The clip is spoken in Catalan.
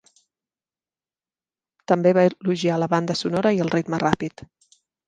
També va elogiar la banda sonora i el ritme ràpid.